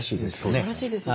すばらしいですよね。